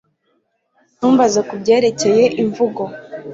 Ntumbaze kubyerekeye imvugo